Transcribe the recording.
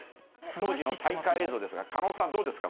当時の大会映像ですが、狩野さん、どうですか？